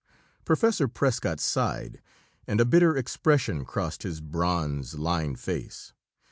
Professor Prescott sighed, and a bitter expression crossed his bronzed, lined face.